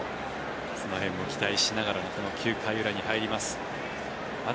その辺も期待しながら９回裏に入ります。